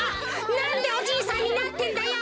なんでおじいさんになってんだよ！